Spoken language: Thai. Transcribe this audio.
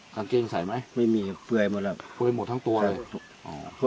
กางเก้งใส่ไหมไม่มีด้วยหมดแล้ว